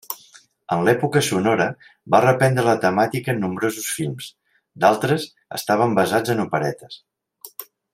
En l’època sonora va reprendre la temàtica en nombrosos films, d’altres estaven basats en operetes.